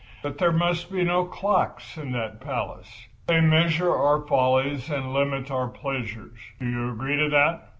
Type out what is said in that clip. But there must be no clocks in that palace—they measure our follies and limit our pleasures. Do you agree to that?"